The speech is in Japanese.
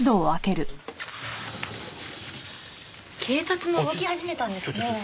警察も動き始めたんですね。